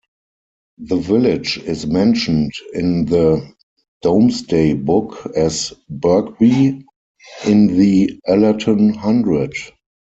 The village is mentioned in the "Domesday Book" as "Bergbi" in the "Allerton" hundred.